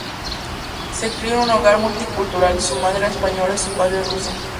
Se crio en un hogar multicultural, su madre era española y su padre ruso.